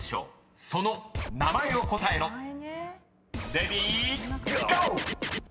［レディーゴー！］